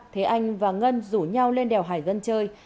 thế anh và ngân rủ nhau lên đèo hải vân chơi